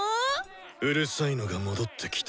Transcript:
うるさいのが戻ってきた。